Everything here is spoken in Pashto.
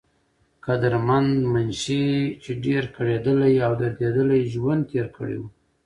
قدرمند منشي، چې ډېر کړېدلے او درديدلے ژوند تير کړے وو